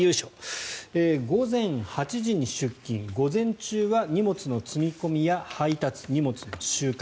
午前８時に出勤午前中は荷物の積み込みや配達荷物の集荷。